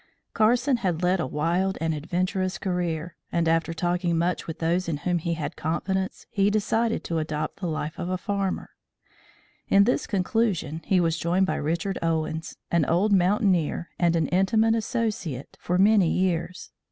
Carson had led a wild and adventurous career, and, after talking much with those in whom he had confidence, he decided to adopt the life of a farmer. In this conclusion he was joined by Richard Owens, an old mountaineer and an intimate associate for many years.